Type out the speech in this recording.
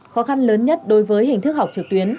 khó khăn lớn nhất đối với hình thức học trực tuyến